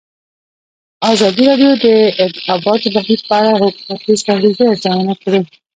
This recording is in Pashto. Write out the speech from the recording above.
ازادي راډیو د د انتخاباتو بهیر په اړه د حکومتي ستراتیژۍ ارزونه کړې.